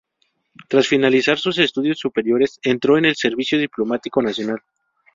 Tras finalizar sus estudios superiores, entró en el servicio diplomático nacional.